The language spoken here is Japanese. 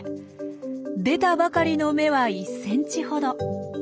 出たばかりの芽は１ｃｍほど。